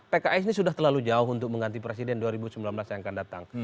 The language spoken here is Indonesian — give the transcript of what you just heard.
pks ini sudah terlalu jauh untuk mengganti presiden dua ribu sembilan belas yang akan datang